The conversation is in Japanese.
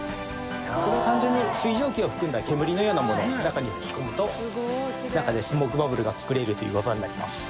これは単純に水蒸気を含んだ煙のようなものを中に吹き込むと中でスモークバブルが作れるという技になります。